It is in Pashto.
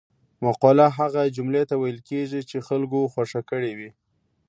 مقوله هغه جملې ته ویل کېږي چې خلکو خوښه کړې وي